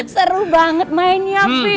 seru banget mainnya pih